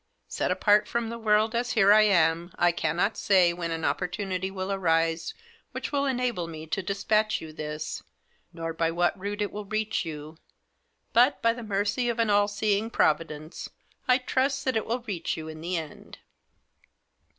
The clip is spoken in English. Set apart from the world as here I am I cannot say when an opportunity will arise which will enable me to despatch you this, nor by what route it will reach you ; but, by the mercy of an All seeing Providence, I trust that it will reach you in the end.